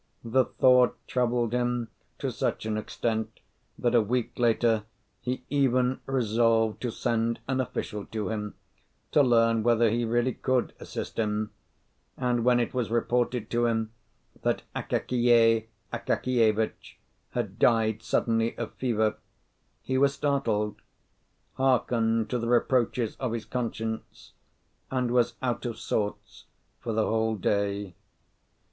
The thought troubled him to such an extent that a week later he even resolved to send an official to him, to learn whether he really could assist him; and when it was reported to him that Akakiy Akakievitch had died suddenly of fever, he was startled, hearkened to the reproaches of his conscience, and was out of sorts for the whole day.